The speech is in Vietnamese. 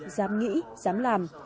dám nghĩ dám làm